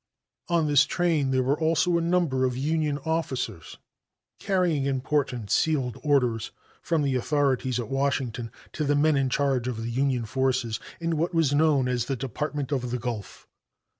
On this train there were also a number of Union officers carrying important sealed orders from the authorities at Washington to the men in charge of the Union forces in what was known as the "Department of the Gulf."